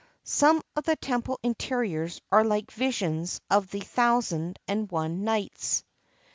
" Some of the temple interiors are like visions of the Thou sand and One Nights.